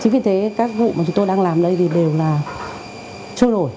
chính vì thế các vụ mà chúng tôi đang làm đây đều là trôi đổi